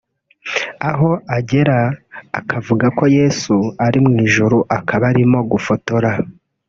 Aho agera akavuga ko Yesu ari mu ijuru akaba arimo gufotora